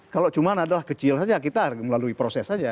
kalau cuma adalah kecil saja kita melalui proses saja